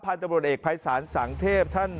พันธุ์ตำรวจเอกภัยสารสังเทพฯ